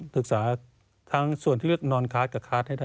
ศึกษาทั้งส่วนนอนคาร์ดกับคาร์ด